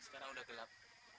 sekarang udah gelap